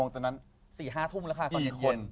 เที่ยวถึงฮาทุ่ม